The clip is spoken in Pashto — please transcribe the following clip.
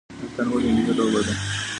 اتن ولې ملي لوبه ده؟